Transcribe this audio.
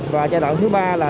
và giai đoạn thứ ba là